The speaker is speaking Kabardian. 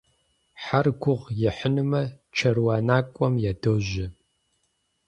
Хьэр гугъу ехьынумэ чэруанакӀуэм ядожьэ.